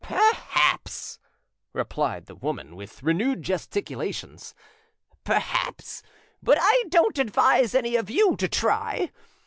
"Perhaps," replied the woman, with renewed gesticulations, "perhaps; but I don't advise any of you to try.